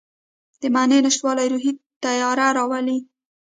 د معنی نشتوالی روحي تیاره راولي.